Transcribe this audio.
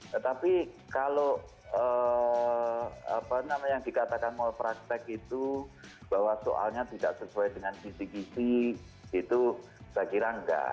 tetapi kalau apa namanya yang dikatakan mall practed itu bahwa soalnya tidak sesuai dengan kisi kisi itu saya kira enggak